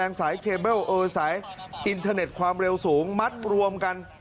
สายเคเบิลเออสายอินเทอร์เน็ตความเร็วสูงมัดรวมกัน